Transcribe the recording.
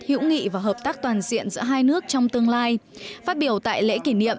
hữu nghị và hợp tác toàn diện giữa hai nước trong tương lai phát biểu tại lễ kỷ niệm